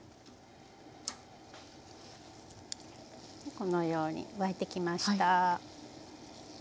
このように沸いてきました。